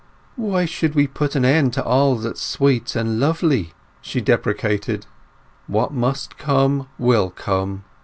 "Why should we put an end to all that's sweet and lovely!" she deprecated. "What must come will come."